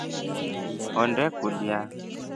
Honde kulya.